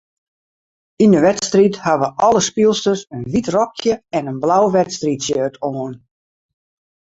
Yn 'e wedstriid hawwe alle spylsters in wyt rokje en in blau wedstriidshirt oan.